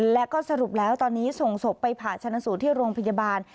แล้วก็สรุปแล้วตอนนี้ส่งศพไปผ่าชนะสูตรที่โรงพยาบาล